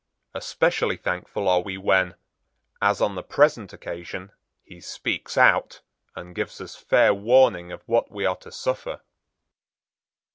Especially thankful are we when, as on the present occasion, he speaks out, and gives us fair warning of what we are to suffer."